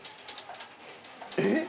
えっ？